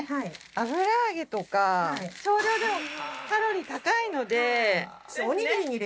油揚げとか少量でもカロリー高いのでですよね